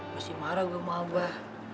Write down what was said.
masih marah gue mau abah